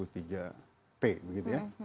t begitu ya